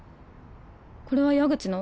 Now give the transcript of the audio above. これは矢口の？